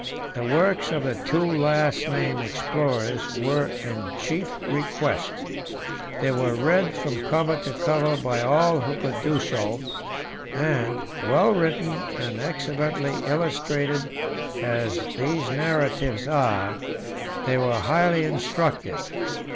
The works of the two last named explorers were in chief request; they were read from cover to cover by all who could do so, and, well written and excellently illustrated as these narratives are, they were highly instructive.